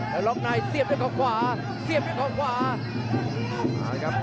แล้วล๊อคไนท์เสียบด้วยข่าวขวาเสียบด้วยข่าวขวา